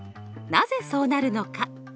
なぜそうなるのか？